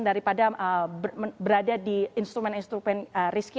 daripada berada di instrumen instrumen risky